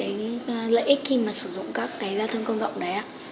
về xe buýt máy bay và thuyền và cái lợi ích khi mà sử dụng các cái gia thông công cộng đấy á